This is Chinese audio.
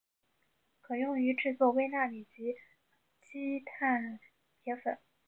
可用于制取微纳米级羰基铁粉。